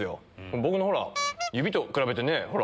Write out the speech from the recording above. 僕のほら、指と比べてね、ほら。